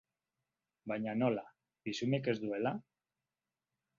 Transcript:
Baina nola, Bizumik ez duela?